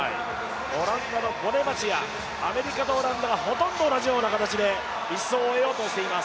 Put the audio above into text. オランダのボネバチアアメリカとオランダがほとんど同じような形で１走を終えようとしています。